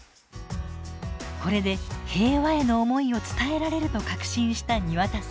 これで平和への思いを伝えられると確信した庭田さん。